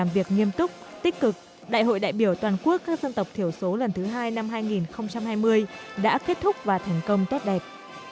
việc nghiêm túc tích cực đại hội đại biểu toàn quốc các dân tộc thiểu số lần thứ hai năm hai nghìn hai mươi đã kết thúc và thành công tốt đẹp